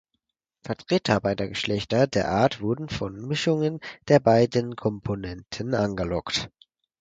Vertreter beider Geschlechter der Art wurden von Mischungen der beiden Komponenten angelockt.